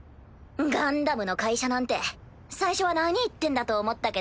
ガンダムの会社なんて最初は何言ってんだと思ったけど。